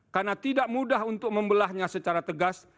karena tidak mudah untuk membelahnya secara tegas